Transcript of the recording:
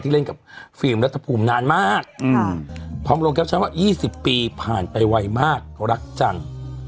เล่นกับฟิล์มรัฐภูมินานมากพร้อมลงแคปชั่นว่า๒๐ปีผ่านไปไวมากรักจัง